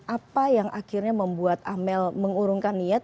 apa yang akhirnya membuat amel mengurungkan niat